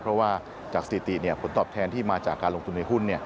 เพราะว่าจากสถิติผลตอบแทนที่มาจากการลงทุนในหุ้น